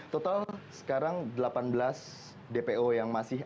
total sekarang delapan belas dpo yang masih